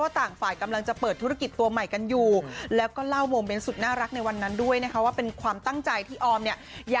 ต่างฝ่ายกำลังจะเปิดธุรกิจตัวใหม่กันอยู่แล้วก็เล่าโมเมนต์สุดน่ารักในวันนั้นด้วยนะคะว่าเป็นความตั้งใจที่ออมเนี่ย